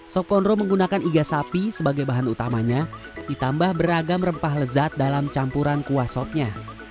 sop pondro menggunakan iga sapi sebagai bahan utamanya ditambah beragam rempah lezat dalam campuran kuah sopnya